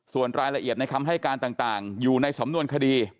ส่วนรายละเอียดในคำให้การต่างอยู่ในสำนวนคดี